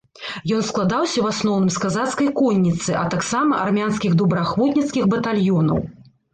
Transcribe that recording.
Ён складаўся ў асноўным з казацкай конніцы, а таксама армянскіх добраахвотніцкіх батальёнаў.